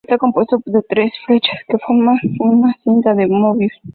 Está compuesto de tres flechas que forman una cinta de Möbius.